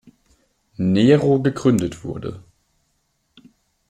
Nero gegründet wurde.